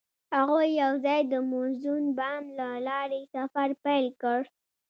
هغوی یوځای د موزون بام له لارې سفر پیل کړ.